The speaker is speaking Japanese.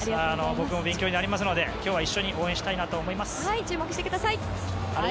僕も勉強になりますので今日は一緒に応援したいと思います。